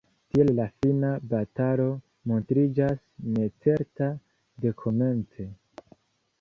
Tiel la fina batalo montriĝas necerta dekomence,